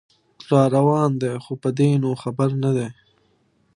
راروان دی خو په دې نو خبر نه دی